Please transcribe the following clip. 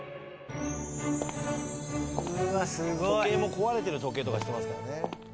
時計も壊れてる時計とかしてますからね。